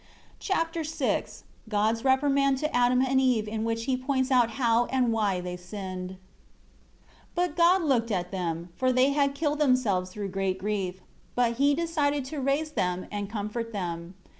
Chapter VI God's reprimand to Adam and Eve in which he points out how and why they sinned. 1 But God looked at them; for they had killed themselves through great grief. 2 But He decided to raise them and comfort them.